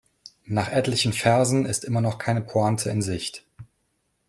Nach etlichen Versen ist immer noch keine Pointe in Sicht.